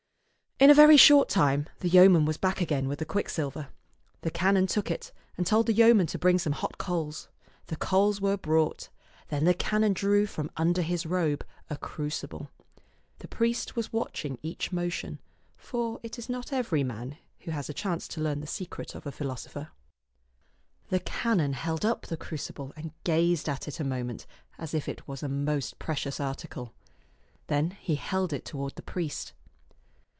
In a very short time the yeoman was back again with the quicksilver. The canon took it, and told the yeoman to bring some hot coals. The coals were brought. Then the canon drew from under his robe a crucible. The priest was watching each motion, for it is not every man who has a chance to learn the secret of a philosopher. The canon held up the crucible and gazed at it a moment as if it was a most precious article. Then he held it toward the priest.